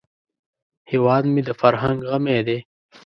هیواد مې د فرهنګ غمی دی